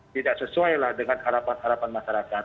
tidak sesuai lah dengan harapan harapan masyarakat